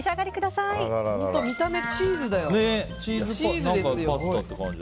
本当、見た目はチーズだよ。